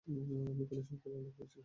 আমি খুনি সম্পর্কে জানতে আগ্রহী ছিলাম।